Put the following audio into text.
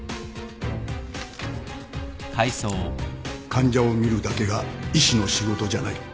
患者を診るだけが医師の仕事じゃない